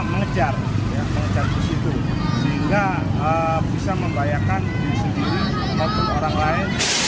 mengejar ya mengejar di situ sehingga bisa membahayakan diri sendiri maupun orang lain